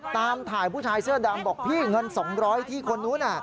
ตามถ่ายผู้ชายเสื้อดำบอกพี่เงิน๒๐๐ที่คนนู้น